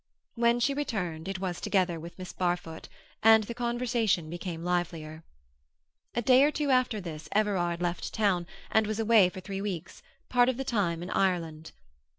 When she returned it was together with Miss Barfoot, and the conversation became livelier. A day or two after this Everard left town, and was away for three weeks, part of the time in Ireland.